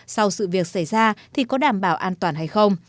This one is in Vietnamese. sau sự việc xảy ra thì có đảm bảo an toàn hay không